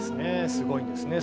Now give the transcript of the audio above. すごいんですね。